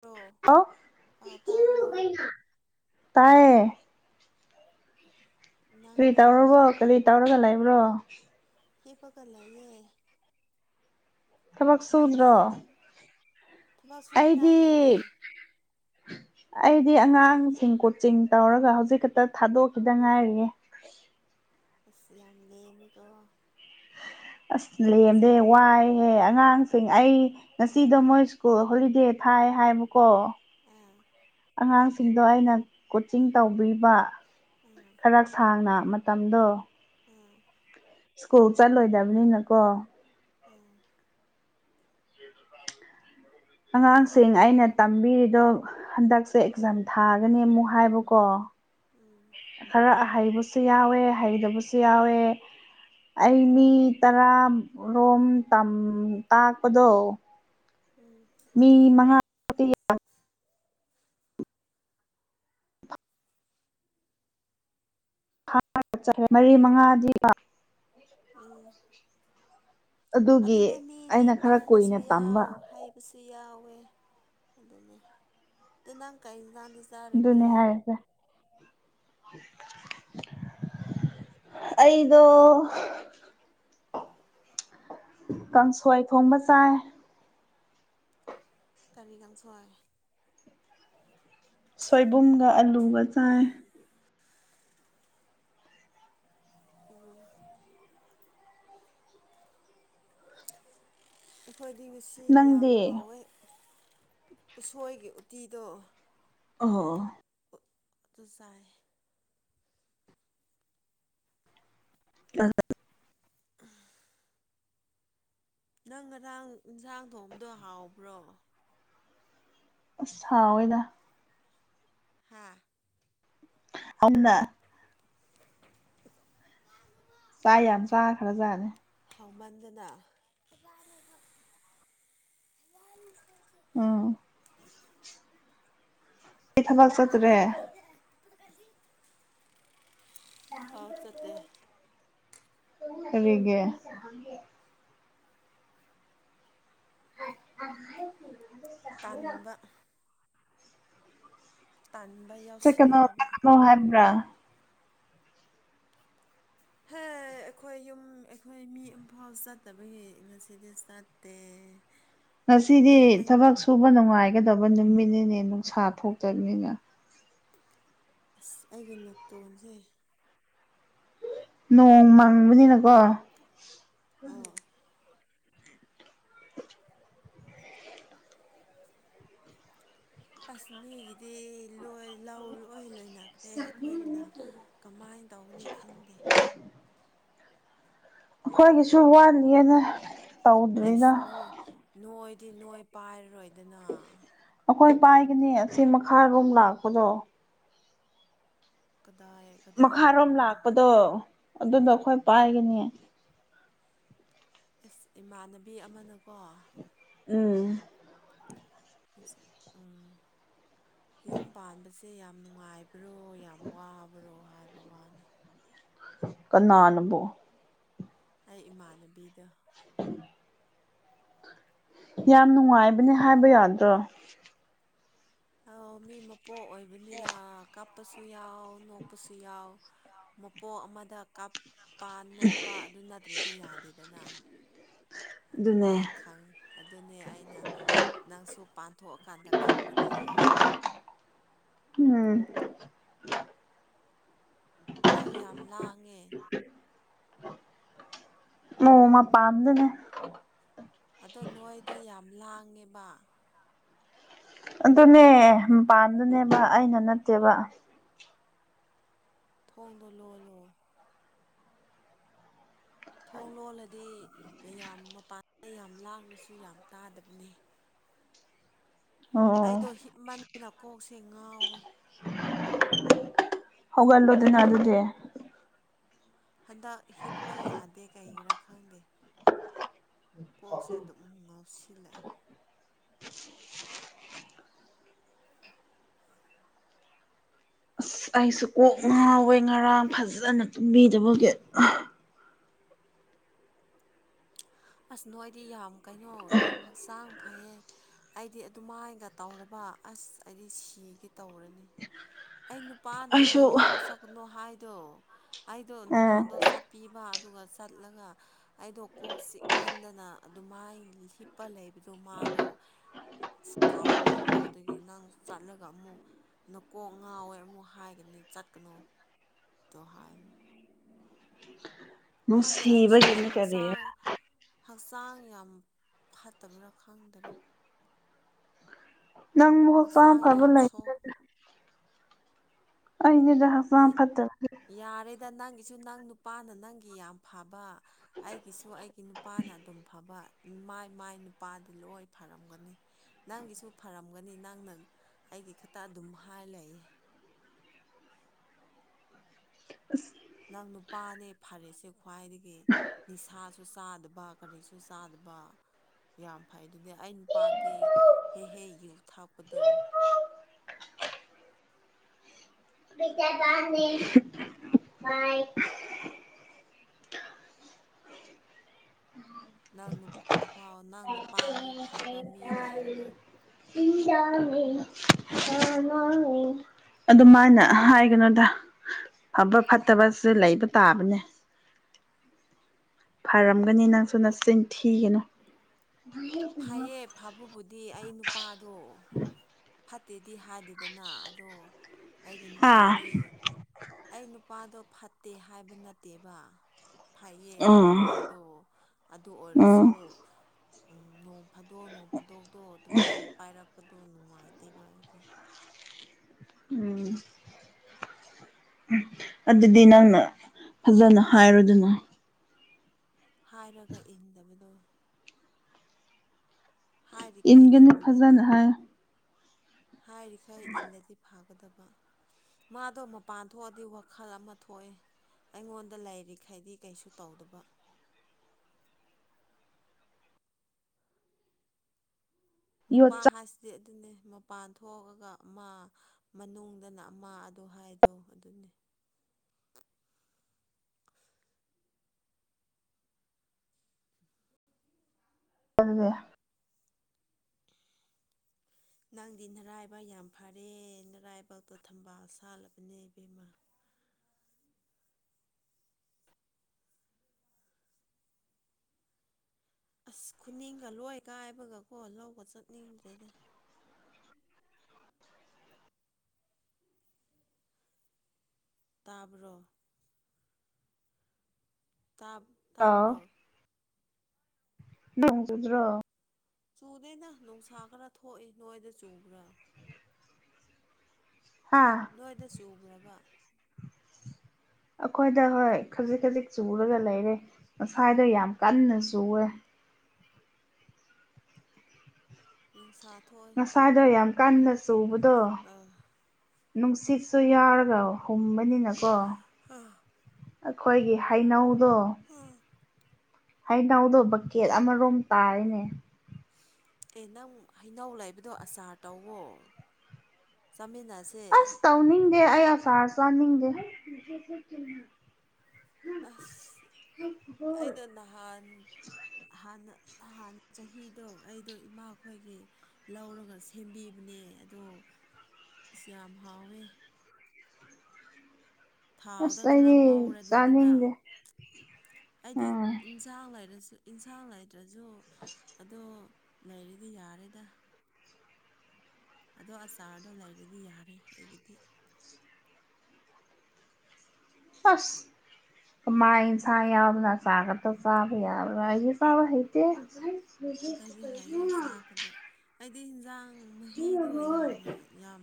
bro ꯑ ꯑꯥꯎ ꯇꯥꯕ꯭ꯔꯣ ꯇꯥꯏꯌꯦ ꯀꯔꯤ ꯅꯪꯗꯣ ꯇꯧꯔꯕꯣ ꯑꯉꯥꯡ ꯀꯔꯤ ꯇꯧꯔꯒ ꯂꯩꯕ꯭ꯔꯣ ꯍ ꯄꯒ ꯂꯩꯌꯦꯦ ꯊꯃꯛ ꯁꯨꯗ꯭ꯔꯣ ꯊꯕꯁ ꯑꯩꯗꯤ ꯎꯨꯟꯒꯥꯏꯦ ꯑꯩꯗꯤ ꯑꯉꯥꯡꯁꯤꯡ ꯀꯣꯠꯆꯤꯡ ꯇꯧꯔꯒ ꯍꯧꯖꯤꯛ ꯈꯛꯇ ꯊꯥꯗꯣꯛꯈꯤꯗ ꯉꯥꯏꯔꯤꯌꯦ ꯑꯁ ꯌꯥꯝ ꯂꯦꯝꯃꯤꯀꯣ ꯑꯁ ꯃꯤ ꯂꯦꯝꯗꯦ ꯃꯆꯥꯗꯤ ꯋꯥꯏꯍꯦ ꯑꯉꯥꯡ ꯑꯩ ꯉꯁꯤꯗ ꯃꯣꯏ ꯁ꯭ꯀꯨꯜ ꯍꯣꯂꯤꯗꯦ ꯊꯥꯏ ꯍꯥꯏꯕꯀꯣ ꯑꯥ ꯑꯉꯥꯡꯁꯤꯡꯗꯣ ꯑꯩꯅ ꯀꯣꯆꯤꯡ ꯇꯧꯕꯤꯕ ꯑꯥ ꯈꯔ ꯁꯥꯡꯅ ꯃꯇꯝꯗꯣ ꯑꯥ ꯁ꯭ꯀꯨꯜ ꯆꯠꯂꯣꯏꯗꯕꯅꯤꯅꯀꯣ ꯎꯝ ꯅꯣ ꯑꯉꯥꯡꯁꯤꯡ ꯑꯩꯅ ꯇꯝꯕꯤꯔꯤꯗꯣ ꯍꯟꯗꯛꯁꯦ ꯑꯦꯛꯖꯥꯝ ꯊꯥꯒꯅꯤ ꯑꯃꯨꯛ ꯍꯥꯏꯕꯀꯣ ꯎꯝ ꯈꯔ ꯍꯩꯕꯁꯨ ꯌꯥꯎꯑꯦ ꯍꯩꯇꯕꯁꯨ ꯌꯥꯎꯑꯦ ꯑꯩ ꯃꯤ ꯇꯔꯥꯔꯣꯝ ꯇꯥꯛꯄꯗꯣ ꯎꯝ ꯃꯤ ꯃꯉꯥꯇꯤ ꯃꯔꯤ ꯃꯉꯥꯗꯤꯀꯣ ꯎꯝ ꯑꯗꯨꯒꯤ ꯑꯗꯨꯅꯤ ꯃꯤꯗꯤ ꯑꯩꯅ ꯈꯔ ꯄꯡꯕꯁꯨ ꯀꯨꯏꯅ ꯇꯝꯕ ꯌꯥꯎ ꯍꯩꯕꯁꯨ ꯌꯥꯎ ꯑꯣꯏ ꯑꯗꯨꯅꯦ ꯑꯗꯨ ꯅꯪ ꯀꯩ ꯥꯅꯪꯗꯤ ꯑꯗꯨꯅꯦ ꯆꯥꯔꯒꯦ ꯍꯥꯏꯔꯤꯁꯦ [unintelligible] ꯑꯩꯗꯣ ꯀꯥꯡꯁꯣꯏ ꯊꯣꯡꯕ ꯆꯥꯏ ꯀꯔꯤ ꯀꯥꯡꯁꯣꯏ ꯁꯣꯏꯕꯨꯝꯒ ꯑꯂꯨꯒ ꯆꯥꯏ ꯑꯣ ꯈꯣꯏꯗꯤ ꯉꯁꯤ ꯌꯥꯝ ꯅꯪꯗꯤ ꯍꯥꯎꯑꯦ ꯎꯁꯣꯏꯒꯤ ꯎꯇꯤꯗꯣ ꯑꯣ ꯑꯗꯨ ꯆꯥꯏ ꯑ ꯅꯪ ꯉꯔꯥꯡ ꯌꯦꯟꯁꯥꯡ ꯊꯣꯡꯕꯗꯣ ꯍꯥꯎꯕ꯭ꯔꯣ ꯑꯁ ꯍꯥꯎꯏꯗ ꯍꯥꯥ ꯑꯩꯅ ꯆꯥꯛ ꯌꯥꯝ ꯆꯥꯈꯔꯖꯥꯠꯅꯦ ꯍꯥꯎꯃꯟꯗꯅ ꯎꯝ ꯑꯩ ꯊꯕꯛ ꯆꯠꯇ꯭ꯔꯦ ꯑꯥꯎ ꯆꯠꯇꯦ ꯀꯔꯤꯒꯤ ꯑ ꯍꯥꯏ ꯇꯟꯕ ꯇꯟꯕ ꯆꯠꯀꯅꯣ ꯌꯥꯎꯁꯤꯜꯂꯛꯑꯕ ꯀꯃꯣ ꯍꯥꯏꯕ꯭ꯔꯥ ꯍꯝ ꯍꯦ ꯑꯩꯈꯣꯏ ꯌꯨꯝ ꯑꯩꯈꯣꯏ ꯃꯤ ꯏꯝꯐꯥꯜ ꯆꯠꯇꯕꯒꯤ ꯉꯁꯤꯗꯤ ꯆꯠꯇꯦ ꯉꯁꯤꯗꯤ ꯑꯦ ꯑꯩ ꯊꯕꯛ ꯁꯨꯕ ꯅꯨꯡꯉꯥꯏ ꯍꯥꯏꯒꯗꯕ ꯅꯨꯃꯤꯠꯅꯤꯅꯦ ꯅꯨꯡꯁꯥ ꯊꯣꯛꯇꯕꯅꯤꯅ ꯑꯁ ꯑꯩꯒꯤ ꯅꯥꯇꯣꯟꯁꯦ ꯅꯣꯡ ꯃꯪꯕꯅꯤꯅꯀꯣ ꯑꯥꯎ ꯑꯁ ꯃꯤꯒꯤꯗꯤ ꯂꯣꯏ ꯂꯧ ꯂꯣꯏ ꯂꯣꯏꯅ ꯇꯧꯒꯅꯤ ꯈꯪꯗꯦ [unintelligible] ꯑꯩꯈꯣꯏꯒꯤꯁꯨ ꯋꯥꯠꯅꯤꯑꯦꯅ ꯑꯦꯁ ꯅꯣꯏ ꯅꯣꯏꯗꯤ ꯅꯣꯏꯄ ꯄꯥꯏꯔꯔꯣꯏꯗꯅ ꯑꯩꯈꯣꯏ ꯄꯥꯏꯒꯅꯤ ꯑꯁꯤ ꯃꯈꯥꯔꯣꯝ ꯂꯥꯛꯄꯗꯣ ꯀꯗꯥꯏ ꯃꯈꯥꯔꯣꯝ ꯀꯗꯥꯏꯔꯣꯝꯗꯣ ꯂꯥꯛꯄꯗꯣ ꯑꯗꯨꯗꯣ ꯑꯩꯈꯣꯏ ꯄꯥꯏꯒꯅꯤ ꯏꯃꯥꯟꯅꯕꯤ ꯑꯃꯅꯀꯣ ꯎꯝ ꯎꯝ ꯌꯨꯝ ꯄꯥꯟꯕꯁꯦ ꯌꯥꯝ ꯅꯨꯡꯉꯥꯏꯕ꯭ꯔꯣ ꯌꯥꯝ ꯋꯥꯕ꯭ꯔꯣ ꯍꯥꯏꯕ ꯋꯥꯅꯤ ꯀꯅꯥꯅꯕꯣ ꯑꯩ ꯏꯃꯥꯟꯅꯕꯤꯗꯣ ꯎꯝ ꯌꯥꯝ ꯅꯨꯡꯉꯥꯏꯕꯅꯦ ꯍꯥꯏꯕ ꯌꯥꯗ꯭ꯔꯣ ꯑ ꯃꯤ ꯃꯄꯣꯛ ꯑꯣꯏꯕꯅꯤꯅ ꯀꯞꯄꯁꯨ ꯌꯥꯎ ꯅꯣꯛꯄꯁꯨ ꯌꯥꯎ ꯃꯄꯣꯛ ꯑꯃꯗ ꯀꯥꯞ ꯄꯥꯟ ꯅꯣꯛꯄ ꯑꯗꯨ ꯅꯠꯇ꯭ꯔꯗꯤ ꯌꯥꯗꯦꯗꯅ ꯑꯗꯨꯅꯦ ꯑꯗꯨꯃꯥꯏꯅ ꯈꯪꯉꯤ ꯑꯗꯨꯅꯦ ꯑꯩꯅ ꯅꯪꯁꯨ ꯄꯥꯟꯊꯣꯛꯑꯀꯥꯟꯗ ꯈꯪꯒꯅꯤꯌꯦ ꯌꯥꯕ ꯎꯝ ꯅꯪ ꯌꯥꯝ ꯂꯥꯡꯉꯦ ꯃꯣꯡꯃ ꯄꯥꯝꯗꯅꯦ ꯑꯗꯣ ꯅꯣꯏꯗ ꯌꯥꯝ ꯂꯥꯡꯉꯦꯕ ꯑꯗꯨꯅꯦ ꯃꯄꯥꯟꯗꯨꯅꯦꯕ ꯑꯩꯅ ꯅꯠꯇꯦꯕ ꯊꯣꯡꯗꯣ ꯂꯣ ꯂꯣꯑꯣ ꯊꯣꯡ ꯂꯣꯜꯂꯗꯤ ꯌꯥꯝ ꯃꯄꯥꯟ ꯌꯥꯝ ꯂꯥꯡꯅꯁꯨ ꯌꯥꯝ ꯇꯥꯗꯕꯅꯤ ꯑꯣ ꯑꯩꯗꯣ ꯍꯤꯞꯃꯟꯅ ꯀꯣꯛꯁꯦ ꯉꯥꯎꯋꯦ ꯍꯧꯒꯜꯂꯣ ꯑꯗꯨꯅ ꯑꯗꯨꯗꯤ ꯍꯟꯗꯛ ꯍꯤꯞꯄ ꯌꯥꯗꯦ ꯀꯩꯔꯥ ꯈꯪꯗꯦ ꯀꯣꯛꯁꯦ ꯑꯗꯨꯝ ꯉꯥꯎꯁꯤꯜꯂꯛꯑꯏ ꯑꯁ ꯑꯩꯁꯨ ꯀꯣꯛ ꯉꯥꯎꯋꯦ ꯉꯔꯥꯡ ꯐꯖꯅ ꯇꯨꯝꯕꯤꯗꯕꯒꯤ ꯑꯁ ꯅꯣꯏ ꯑꯩꯗꯤ ꯌꯥꯝ ꯀꯩꯅꯣ ꯌꯥꯝ ꯍꯛꯆꯥꯡ ꯐꯩꯌꯦ ꯑꯩꯗꯤ ꯑꯗꯨꯃꯥꯏꯒ ꯇꯧꯔꯕ ꯑ ꯑꯁ ꯑꯩꯗꯤ ꯁꯤꯒꯦ ꯇꯧꯔꯅꯤ ꯑꯩ ꯅꯨꯄꯥꯅ ꯑꯩꯁꯨ ꯂꯜꯍꯧ ꯆꯠꯄꯅꯨ ꯍꯥꯏꯗꯣ ꯑꯩꯗꯣ ꯅꯍꯥꯟꯗꯣ ꯆꯠꯄꯤꯕ ꯑꯗꯨꯒ ꯆꯠꯂꯒ ꯑꯩꯗꯣ ꯀꯣꯛ ꯆ ꯃꯟꯗꯅ ꯑꯗꯨꯃꯥꯏ ꯍꯤꯞꯄ ꯂꯩꯕꯗꯣ ꯃꯥꯗꯣ ꯁꯥꯎꯅꯤꯡꯕ ꯑꯗꯨꯗꯒꯤ ꯅꯪ ꯆꯠꯂꯒ ꯑꯃꯨꯛ ꯅꯀꯣꯛ ꯉꯥꯎꯋꯦ ꯑꯃꯨꯛ ꯍꯥꯏꯒꯅꯤ ꯆꯠꯀꯅꯨ ꯑꯗꯣ ꯍꯥꯏ ꯃꯁꯤꯕ ꯀꯃꯤꯅꯤ ꯀꯔꯔꯤ ꯍꯛꯆꯥꯡ ꯌꯥꯝ ꯐꯠꯇꯕꯅꯥ ꯈꯪꯗꯔꯦ ꯅꯪ ꯃ ꯆꯝ ꯍꯛꯆꯥꯡ ꯐꯕ ꯌꯥꯝ ꯂꯩ ꯁꯣꯛꯏ ꯑꯅꯦꯗ ꯍ ꯐ ꯐꯠꯇ ꯑꯗ ꯅꯪꯒꯤꯁꯨ ꯅꯪ ꯅꯨꯄꯥꯅ ꯅꯪꯒꯤ ꯌꯥꯝ ꯐꯕ ꯑꯩꯒꯤꯁꯨ ꯑꯩꯒꯤ ꯅꯨꯄꯥꯅ ꯑꯗꯨꯝ ꯐꯕ ꯃꯥꯏ ꯃꯥꯏ ꯅꯨꯄꯥꯗꯤ ꯂꯣꯏ ꯐꯔꯝꯒꯅꯤ ꯅꯪꯒꯤꯁꯨ ꯐꯔꯝꯒꯅꯤ ꯅꯪꯅ ꯑꯩꯒꯤ ꯈꯛꯇ ꯑꯗꯨꯝ ꯍꯥꯏ ꯂꯩꯌꯦ [inaudible] ꯅꯪ ꯅꯨꯄꯥꯅꯦ ꯐꯔꯦꯁꯦ ꯈ꯭ꯋꯥꯏꯗꯒꯤ ꯅꯤꯁꯥꯁꯨ ꯆꯥꯗꯕ ꯀꯔꯤꯁꯨ ꯆꯥꯗꯕ ꯋꯥꯕꯥ ꯌꯥꯝ ꯐꯩ ꯑꯗꯨꯗꯤ ꯑꯩ ꯅꯨꯄꯥꯗꯤ ꯍꯦ ꯍꯦ ꯌꯨ ꯊꯥꯛꯄꯗꯣ [inaudible] ꯇ ꯇꯅꯤ ꯅꯪ ꯅꯨꯄꯥ ꯐꯥꯎ ꯅꯪ ꯅꯨꯄꯥ ꯑꯃꯨꯛ ꯐꯕ ꯃꯤ ꯂꯩꯔꯔꯣꯏ ꯑꯗꯨꯃꯥꯏꯅ ꯍꯥꯏꯒꯅꯣꯗ ꯑꯕ ꯐꯠꯇꯕꯁꯦ ꯂꯩꯕ ꯇꯥꯕꯅꯦ [inaudible] ꯐꯔꯝꯒꯅꯤ ꯅꯪꯁꯨ ꯅ ꯆꯤꯟꯊꯤꯒꯅꯨ ꯐꯩꯌꯦ ꯐꯥꯕꯕꯨꯗꯤ ꯑꯩ ꯅꯨꯄꯥꯗꯣ ꯐꯠꯇꯦꯗꯤ ꯍꯥꯏꯗꯦꯗꯅ ꯑꯗꯣ ꯑꯩꯒꯤ ꯍꯥ ꯅꯨꯄꯥꯗꯤ ꯑꯩ ꯅꯨꯄꯥꯗꯣ ꯐꯠꯇꯦ ꯍꯥꯏꯕ ꯅꯠꯇꯦꯕ ꯐꯩꯌꯦ ꯑꯩ ꯎꯝ ꯅꯨꯄꯥꯗꯣ ꯑꯗꯨ ꯑꯣꯏꯔꯁꯨ ꯎꯝ ꯅ ꯐꯥꯗꯣꯛ ꯅꯅꯨꯡ ꯐꯥꯗꯣꯛꯇꯣ ꯑꯗꯨꯃꯥꯏꯅ ꯄꯥꯏꯔꯛꯄꯗꯣ ꯅꯨꯡꯉꯥꯏꯇꯦꯕ ꯍꯥꯏꯗꯤ ꯎꯝ ꯑꯗꯨꯗꯤ ꯅꯪꯅ ꯐꯖꯅ ꯍꯥꯏꯔꯨꯗꯅ ꯍꯥꯏꯔꯒ ꯏꯟꯗꯕꯗꯣ ꯍꯥꯏꯔꯤꯈꯩ ꯏꯟꯒꯅꯤ ꯏꯜꯂꯗꯤ ꯐꯖꯅ ꯍꯥꯏ ꯍꯥꯏꯔꯤꯈꯩ ꯏꯜꯂꯗꯤ ꯐꯥꯒꯗꯕ ꯃꯥꯗꯣ ꯃꯄꯥꯟ ꯊꯣꯛꯑꯗꯤ ꯋꯥꯈꯜ ꯑꯃ ꯊꯣꯛꯑꯦ ꯑꯩꯉꯣꯟꯗ ꯂꯩꯥꯏꯔꯤꯈꯩꯗꯤ ꯀꯩꯁꯨ ꯇꯧꯗꯕ ꯌꯣꯠ ꯅꯨꯄꯥ ꯆꯥꯛ ꯍꯥꯏꯁꯤꯗꯤ ꯑꯗꯨꯅꯦ ꯃꯄꯥꯟ ꯊꯣꯛꯑꯒ ꯑꯃ ꯃꯅꯨꯡꯗꯅ ꯑꯃ ꯑꯗꯨ ꯍꯥꯏꯗꯣ ꯑꯗꯨꯅꯦ [inaudible] ꯆꯜꯋꯦ ꯅꯪꯗꯤ ꯅꯔꯥꯏꯕꯛ ꯌꯥꯝ ꯐꯔꯦ ꯅꯔꯥꯏꯕꯇꯣ ꯊꯝꯕꯥꯜ ꯁꯥꯜꯂꯕꯅꯦ ꯏꯕꯦꯝꯃꯥ [inaudible] ꯑꯁ ꯈꯨꯅꯤꯡꯒ ꯂꯣꯏ ꯀꯥꯏꯕꯒꯀꯣ ꯂꯧꯕ ꯆꯠꯅꯤꯡꯗ꯭ꯔꯦꯗ ꯇꯥꯕ꯭ꯔꯣ ꯇꯥꯕ ꯇꯥꯕ꯭ꯔꯣ ꯅꯪꯖꯗ꯭ꯔꯣ ꯆꯨꯗꯦꯅ ꯅꯨꯡꯁꯥ ꯈꯔ ꯊꯣꯛꯏ ꯅꯣꯏꯗ ꯆꯨꯕ꯭ꯔꯥ ꯍꯥꯥ ꯆꯣꯔꯕ ꯑꯩꯈꯣꯏꯗ ꯍꯣꯏ ꯈꯖꯤꯛ ꯈꯖꯤꯛ ꯆꯨꯔꯒ ꯂꯩꯔꯦ ꯉꯁꯥꯏꯗꯣ ꯌꯥꯝ ꯀꯟꯅ ꯆꯨꯋꯦ ꯅꯨꯡꯁꯥ ꯊꯣꯛꯑꯦ ꯉꯁꯥꯗꯣ ꯌꯥꯝ ꯀꯟꯅ ꯆꯨꯕꯗꯣ ꯑꯥ ꯅꯨꯡꯁꯤꯠꯁꯨ ꯌꯥꯎꯔꯒ ꯍꯨꯝꯕꯅꯤꯅꯀꯣ ꯑꯩꯈꯣꯏꯒꯤ ꯍꯩꯅꯧꯗꯣ ꯍꯩꯅꯎꯗꯣ ꯕꯛꯀꯦꯠ ꯑꯃꯔꯣꯝ ꯇꯥꯔꯤꯅꯦ ꯑꯦ ꯅꯪ ꯍꯩꯅꯧ ꯂꯩꯕꯗꯣ ꯑꯆꯥꯔ ꯇꯧꯋꯣ ꯇꯥꯃꯤꯟꯅꯁꯦ ꯑꯦ ꯑꯩ ꯁꯥꯔ ꯆꯅꯤꯡꯗꯦ ꯑꯁ ꯑꯩꯗꯣ ꯅꯍꯥꯟꯅ ꯅꯍꯥꯟ ꯆꯍꯤꯗꯣ ꯑꯩꯗꯣ ꯏꯃꯥꯈꯣꯏꯒꯤ ꯂꯧꯔꯒ ꯁꯦꯝꯕꯤꯕꯅꯦ ꯑꯗꯣ ꯑꯁꯤ ꯌꯥꯝ ꯍꯥꯎꯋꯦ ꯊꯥꯎꯗ ꯑꯁ ꯑꯩ ꯆꯥꯅꯤꯡꯗꯦ ꯍꯥꯏꯗꯤ ꯎꯝ ꯏꯟꯁꯥꯡ ꯂꯩꯔꯁꯨ ꯌꯦꯟꯁꯥꯡ ꯂꯩꯇ꯭ꯔꯁꯨ ꯑꯗꯣ ꯂꯩꯔꯗꯤ ꯌꯥꯔꯦꯗ ꯑꯗꯣ ꯑꯆꯥꯔꯗꯣ ꯂꯩꯔꯗꯤ ꯌꯥꯔꯦ ꯑꯩꯒꯤꯗꯤ ꯑꯁ ꯃꯥꯏ ꯆ ꯌꯥꯕ꯭ꯔꯥ ꯆꯥꯒꯗ ꯆꯥꯕ ꯌꯥꯎꯕ꯭ꯔꯥ ꯑꯩ ꯆꯥꯕ ꯍꯥꯏꯇꯦ ꯍꯧ ꯀ ꯍꯥꯏꯗꯤ ꯍꯟꯖꯥꯡ ꯃꯍꯤꯗꯣ ꯌꯥꯝꯅ ꯌꯥꯝ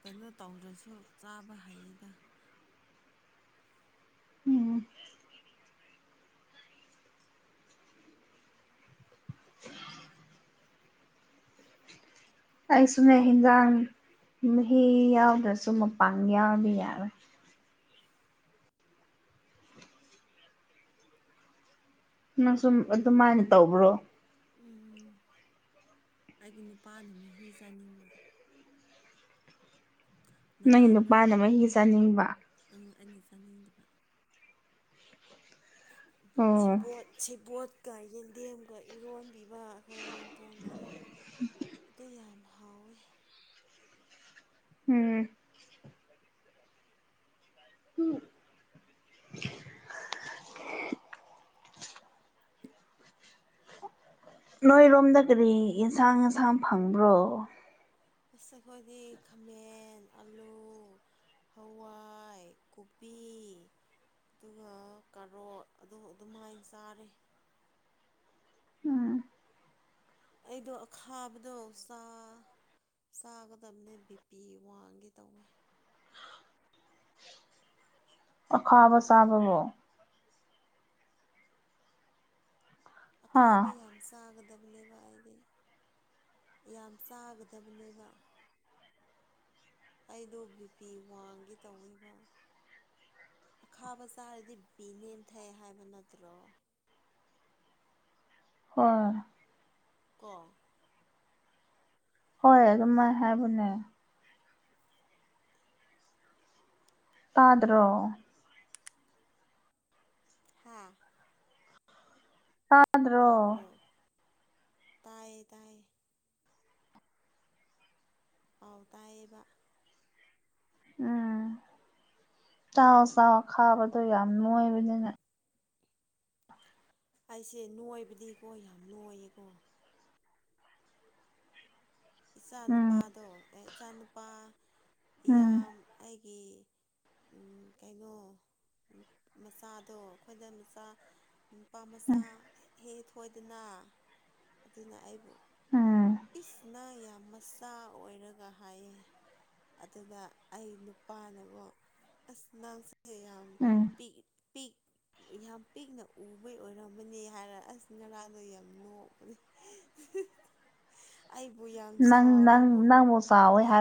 ꯀꯩꯅꯣ ꯇꯧꯗ꯭ꯔꯁꯨ ꯆꯥꯕ ꯍꯩꯌꯦꯗ ꯎꯝ [inaudible] ꯑꯩꯁꯨꯃꯦ ꯍꯖꯥꯡ ꯃꯤ ꯌꯥ ꯗꯁꯣ ꯃꯄꯥꯡꯒ ꯌꯥꯗꯤ ꯌꯥꯔ ꯅꯪ ꯁꯨꯝ ꯑꯗꯨꯃꯥꯏꯅ ꯇꯧꯕ꯭ꯔꯣ ꯎ ꯑꯩꯒꯤ ꯅꯨꯄꯥꯅ ꯃꯍꯤ ꯆꯥꯅꯤꯡꯕ ꯅꯪ ꯅꯨꯄꯥꯅ ꯅꯍꯥꯟꯗꯣ ꯃꯍ ꯆꯥꯅꯤꯡꯕ ꯑꯪ ꯑꯩꯅ ꯆꯥꯅꯤꯡꯗꯕ ꯑꯣ ꯕꯣꯠ ꯁꯤꯕꯣꯠꯀ ꯌꯦꯟꯗꯦꯝꯒ ꯏꯔꯣꯟ ꯄꯤꯕ ꯑꯩꯈꯣꯏ ꯅꯦꯝꯄꯣꯡꯅ ꯑꯗꯨ ꯌꯥꯝ ꯍꯥꯎꯋꯦ ꯎꯝ ꯎꯝ ꯅꯣꯏꯔꯣꯝꯗ ꯀꯔꯤ ꯌꯦꯟꯁꯥꯡ ꯉꯟꯁꯥꯡ ꯐꯪꯕ꯭ꯔꯣ ꯑꯁ ꯑꯩꯈꯣꯏꯗꯤ ꯈꯥꯃꯦꯟ ꯑꯥꯂꯨ ꯍꯋꯥꯏ ꯀꯣꯕꯤ ꯑꯗꯨꯒ ꯀꯔꯣꯔ ꯑꯗꯨ ꯑꯗꯨꯝꯍꯥꯏꯅ ꯆꯥꯔꯦ ꯎꯝ ꯑꯩꯗꯣ ꯑꯈꯥꯕꯗꯣ [unintelligible] ꯆꯥ ꯆꯥꯒꯗꯕꯅꯦ ꯕꯤ ꯄꯤ ꯋꯥꯡꯒꯤ ꯇꯧꯋꯦ ꯑꯈꯥꯕ ꯆꯥꯕꯕꯨꯣ ꯍꯥ ꯑꯈꯥꯕ ꯌꯥꯝ ꯆꯥꯒꯗ [unintelligible] ꯑꯩꯗꯤ ꯌꯥꯝ ꯆꯥꯒꯗꯕꯅꯦꯕ ꯑꯩꯗꯣ ꯕꯤ ꯄꯤ ꯋꯥꯡꯒꯤ ꯇꯧꯔꯤꯕ ꯑꯈꯥꯕ ꯆꯥꯔꯗꯤ ꯕꯤꯄꯤ ꯅꯦꯝꯊꯩ ꯍꯥꯏꯕ ꯅꯠꯇ꯭ꯔꯣ ꯍꯣꯏ ꯀꯣ ꯍꯣꯏ ꯑꯗꯨꯝ ꯃꯥꯥꯏ ꯍꯥꯏꯕꯅꯦ ꯇꯥꯗ꯭ꯔꯣ ꯍꯥꯥ ꯇꯥꯗ꯭ꯔꯣ ꯇꯥꯏ ꯇꯏꯌꯦ ꯑꯥꯎ ꯇꯥꯏꯌꯦꯕ ꯎꯝ ꯆꯥꯎ ꯆꯥꯎ ꯈꯥꯕꯗꯣ ꯌꯥꯝ ꯅꯣꯏꯕꯅꯤꯅ ꯑꯩꯁꯦ ꯅꯣꯏꯕꯗꯤꯀꯣ ꯌꯥꯝ ꯅꯣꯏꯌꯦꯀꯣ ꯏꯆꯥ ꯎꯝ ꯅꯨꯨꯄꯥꯗꯣ ꯏꯆꯥ ꯅꯨꯨꯄꯥ ꯎꯝ ꯏꯌꯥꯝ ꯑꯩꯒꯤ ꯀꯩꯅꯣ ꯃꯆꯥꯗꯣ ꯑꯩꯈꯣꯏꯗ ꯃꯆꯥ ꯅꯨꯄꯥ ꯃꯆꯥ ꯎꯝ ꯍꯦꯛ ꯊꯣꯏꯗꯅ ꯑꯗꯨꯅ ꯑꯩꯕꯨ ꯎꯝ ꯏꯁꯅ ꯌꯥꯝ ꯃꯆꯥ ꯑꯣꯏꯔꯒ ꯍꯥꯏꯌꯦ ꯑꯗꯨꯗ ꯑꯩ ꯅꯨꯄꯥꯅꯒꯣ ꯑꯁ ꯅꯪ ꯌꯥꯝ ꯎꯝ ꯄꯤ ꯄꯤ ꯌꯥꯝ ꯄꯤꯛꯅ ꯎꯕꯩ ꯑꯣꯏꯔꯃꯅꯤ ꯍꯥꯏꯔ ꯑꯁ ꯉꯔꯥꯡꯗꯣ ꯌꯥꯝ ꯅꯣꯛꯄꯅꯤ ꯑꯩꯕꯨ ꯌꯥꯝ ꯅꯪ ꯅꯪ ꯆꯥꯎꯔꯕꯕꯨ ꯅꯪꯕꯨ ꯆꯥꯎꯋꯦ ꯍꯥꯏ ꯌꯥꯝ